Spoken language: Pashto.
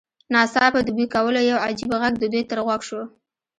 ناڅاپه د بوی کولو یو عجیب غږ د دوی تر غوږ شو